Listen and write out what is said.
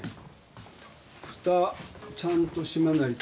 蓋ちゃんと閉めないと。